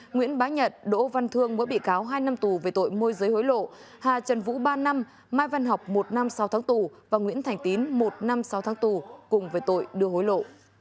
nguyễn bá nhật đỗ văn thương mới bị cáo hai năm tù về tội môi giới hối lộ hà trần vũ ba năm mai văn học một năm sau tháng tù và nguyễn thành tín một năm sáu tháng tù cùng về tội đưa hối lộ